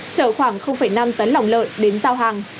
trở khoảng năm tấn lỏng lợn đến giao hàng